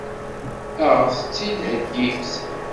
Ad ɣ-tt-id-heggimt?